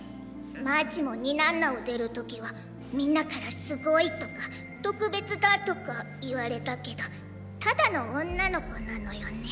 マーチもニナンナを出る時はみんなからすごいとかとくべつだとかいわれたけどただの女の子なのよね。